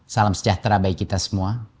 salam sejahtera bagi kita semua